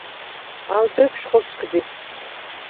ალ ბეფშვ ხოსგდი.